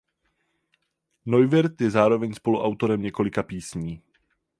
Neuwirth je zároveň spoluautorem několika písní.